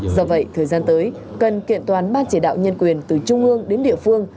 do vậy thời gian tới cần kiện toàn ban chỉ đạo nhân quyền từ trung ương đến địa phương